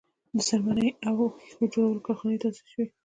د څرمنې او ښیښو جوړولو کارخانې تاسیس شوې.